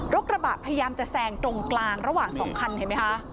กระบะพยายามจะแซงตรงกลางระหว่าง๒คันเห็นไหมคะ